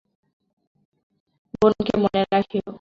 বোনকে মনে রাখিয়ো।